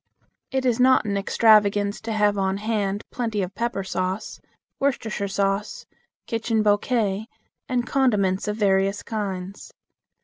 It is not an extravagance to have on hand plenty of pepper sauce, Worcestershire sauce, kitchen bouquet, and condiments of various kinds.